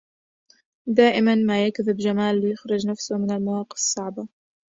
دائما ما يكذب جمال ليخرج نفسه من المواقف الصعبة.